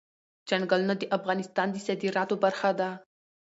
چنګلونه د افغانستان د صادراتو برخه ده.